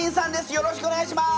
よろしくお願いします！